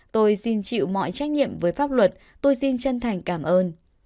tôi xin chịu mọi trách nhiệm với pháp luật tôi xin chân thành cảm ơn